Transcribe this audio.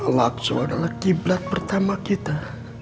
al aqsa adalah qiblat pertama kita